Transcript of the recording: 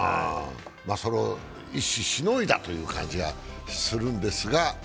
それをしのいだという感じがするんですが。